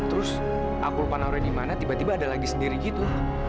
terus akul panahnya dimana tiba tiba ada lagi sendiri gitu